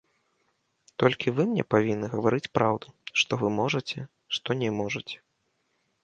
Толькі вы мне павінны гаварыць праўду, што вы можаце, што не можаце.